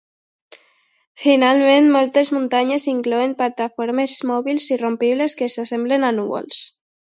Finalment, moltes muntanyes inclouen plataformes mòbils irrompibles que s'assemblen a núvols.